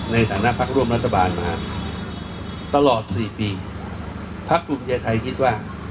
ในฐานะพรรคร่วมรัฐบาลตลอด๔ปีพระคุมใยไทยคิดว่า